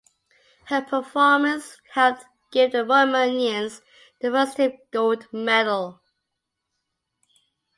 Her performance helped give the Romanians their first team gold medal.